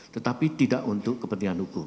tetapi tidak untuk kepentingan hukum